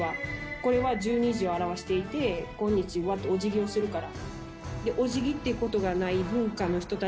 これは１２時を表していてこんにちはっておじぎをするから。